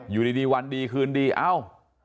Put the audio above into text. อยู่ดีวันดีคืนดีเอ้า